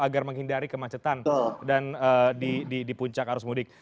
agar menghindari kemacetan di puncak arus mudik